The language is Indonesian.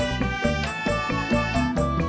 berapa toko yang lo beli